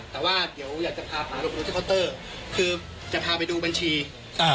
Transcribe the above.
แต่ว่าเดี๋ยวอยากจะพาไปดูที่เคาน์เตอร์คือจะพาไปดูบัญชีครับ